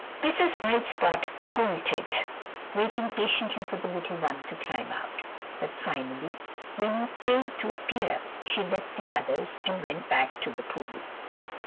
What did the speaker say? Mrs. White Spot halted, waiting patiently for the little one to climb out, but finally, when he failed to appear, she left the others and went back to the pool.